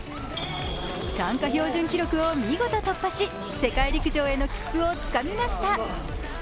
参加標準記録を見事突破し世界陸上への切符をつかみました。